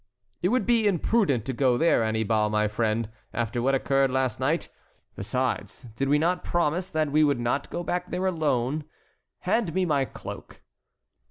"It would be imprudent to go there, Annibal, my friend, after what occurred last night. Besides, did we not promise that we would not go back there alone? Hand me my cloak."